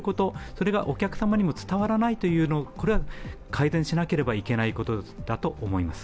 それがお客様にも伝わらない、これは改善しなければいけないことだと思います。